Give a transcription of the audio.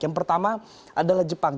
yang pertama adalah jepang